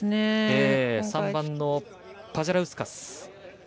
３番のパジャラウスカス。